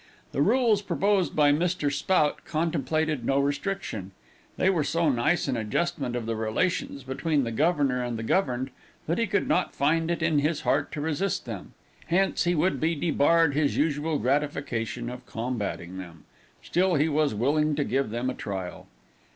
The rules proposed by Mr. Spout contemplated no restriction. They were so nice an adjustment of the relations between the governor and the governed that he could not find it in his heart to resist them. Hence he would be debarred his usual gratification of combatting them. Still he was willing to give them a trial.